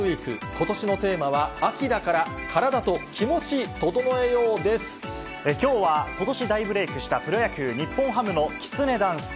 ことしのテーマは、秋だから、きょうは、ことし大ブレークしたプロ野球・日本ハムのきつねダンス。